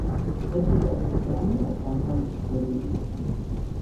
მეფე და მისი ამალა განთავისუფლებულ იქნა.